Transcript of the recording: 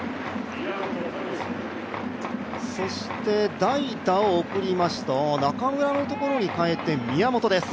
そして代打を送りました、中村のところに代えて宮本です。